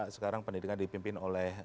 sekarang pendidikan dipimpin oleh